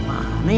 ah jangan lali